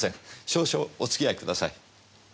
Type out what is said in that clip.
少々お付き合いください。